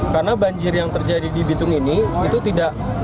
karena banjir yang terjadi di bitung ini itu tidak